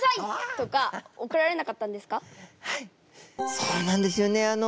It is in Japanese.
そうなんですよね